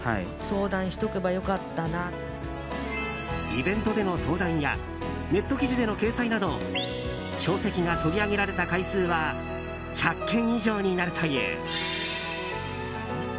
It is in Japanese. イベントでの登壇やネット記事での掲載など書籍が取り上げられた回数は１００件以上になるという。